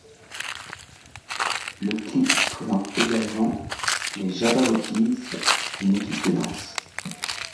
Le clip présente également les Jabbawockeez, une équipe de danse.